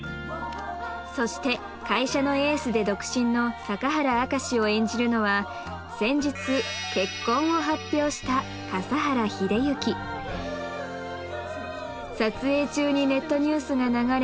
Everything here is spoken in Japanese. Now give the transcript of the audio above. そして会社のエースで独身の坂原証を演じるのは先日結婚を発表した笠原秀幸撮影中にネットニュースが流れ